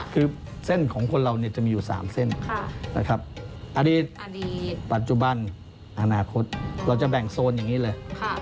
คือเส้นของคนเราจะมีอยู่๓เส้นนะครับปัจจุบันอนาคตเราจะแบ่งโซนอย่างนี้เลย